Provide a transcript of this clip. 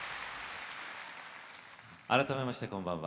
改めまして、こんばんは。